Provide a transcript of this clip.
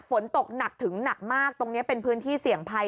ฝนตกหนักถึงหนักมากตรงนี้เป็นพื้นที่เสี่ยงภัย